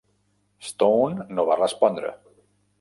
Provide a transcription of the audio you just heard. Stone no va respondre.